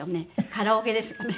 カラオケですかね。